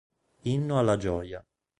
Inno alla gioia